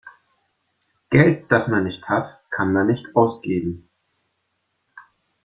Geld, das man nicht hat, kann man nicht ausgeben.